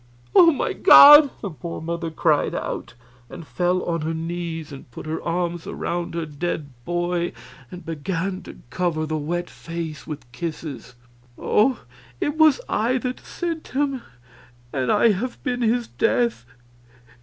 "Oh, my God!" that poor mother cried out, and fell on her knees, and put her arms about her dead boy and began to cover the wet face with kisses. "Oh, it was I that sent him, and I have been his death.